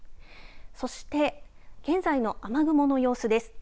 そして現在の雨雲の様子です。